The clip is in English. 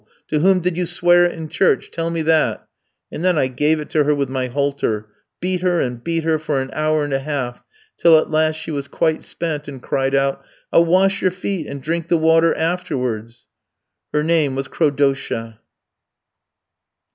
to whom did you swear it in church? Tell me that?' "And then I gave it her with my halter beat her and beat her for an hour and a half; till at last she was quite spent, and cried out: "'I'll wash your feet and drink the water afterwards.' "Her name was Crodotia."